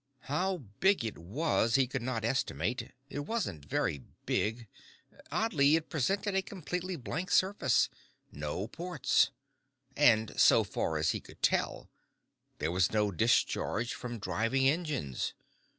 How big it was he could not estimate. It wasn't very big. Oddly, it presented a completely blank surface. No ports. And, so far as he could tell, there was no discharge from driving engines.